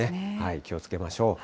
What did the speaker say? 気をつけましょう。